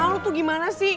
lu tuh gimana sih